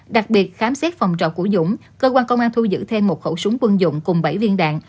đặc biệt khám xét phòng trọ của dũng cơ quan công an thu giữ thêm một khẩu súng quân dụng cùng bảy viên đạn